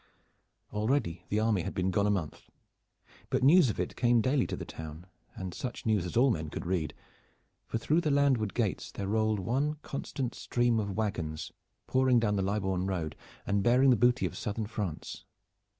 Already the army had been gone a month, but news of it came daily to the town, and such news as all men could read, for through the landward gates there rolled one constant stream of wagons, pouring down the Libourne Road, and bearing the booty of Southern France.